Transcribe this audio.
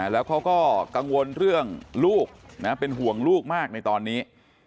แล้วเขาก็กังวลเรื่องลูกเป็นห่วงลูกมากในตอนนี้